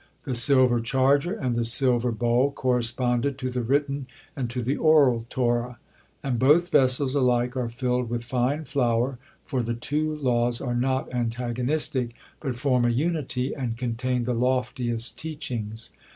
The silver charger and the silver bowl corresponded to the written and to the oral Torah; and both vessels alike are filled with fine flour, for the two laws are not antagonistic, but form a unity and contain the loftiest teachings.